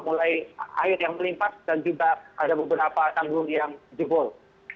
mulai air yang melimpas dan juga ada beberapa tanggung yang jebol